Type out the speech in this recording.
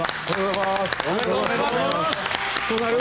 おめでとうございます。